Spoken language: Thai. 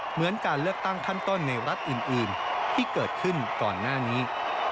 เหมือนการเลือกตั้งขั้นต้นในรัฐอื่นที่เกิดขึ้นก่อนหน้านี้